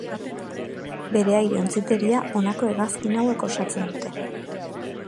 Bere aire-ontziteria honako hegazkin hauek osatzen dute.